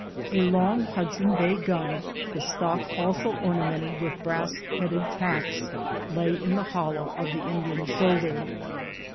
A long Hudson Bay gun, the stock also ornamented with brass headed tacks, lay in the hollow of the Indian's shoulder.